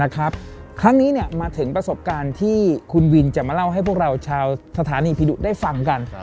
ครั้งนี้มาถึงประสบการณ์ที่คุณวินจะมาเล่าให้พวกเราชาวสถานีผีดุได้ฟังกัน